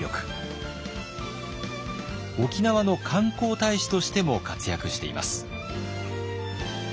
沖縄の観光大使としても活躍しています。